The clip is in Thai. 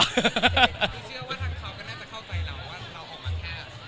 คือเชื่อว่าทางเขาก็น่าจะเข้าใจเราว่าเราออกมาแค่